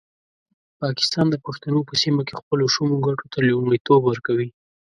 پاکستان د پښتنو په سیمه کې خپلو شومو ګټو ته لومړیتوب ورکوي.